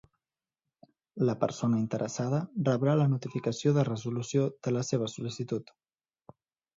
La persona interessada rebrà la notificació de resolució de la seva sol·licitud.